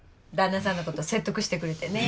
旦那さんのこと説得してくれて。